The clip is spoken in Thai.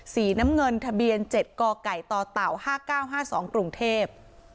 สีน้ำเงินทะเบียน๗กไก่ต่อเต่า๕๙๕๒กรุงเทพ